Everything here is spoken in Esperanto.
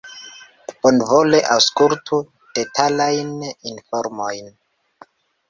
Bonvole aŭskultu detalajn informojn.